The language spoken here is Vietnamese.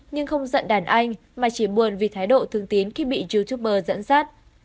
nhưng không giận đàn anh mà chỉ buồn vì thái độ thương tín khi bị youtuber dẫn dắt